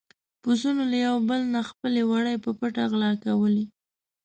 پسونو له يو بل نه خپل وړي په پټه غلا کولې.